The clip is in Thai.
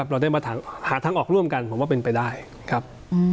เราได้มาหาทางออกร่วมกันผมว่าเป็นไปได้ครับ